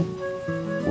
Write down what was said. pengusaha ke cimpring